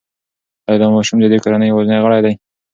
ایا دا ماشوم د دې کورنۍ یوازینی غړی دی؟